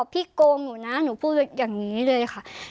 โกงหนูนะหนูพูดอย่างนี้เลยค่ะ